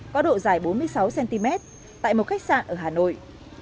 có độ dài bốn mươi sáu cm tại một khách sạn ở hà nội